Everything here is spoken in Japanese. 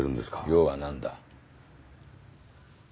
用は何だ？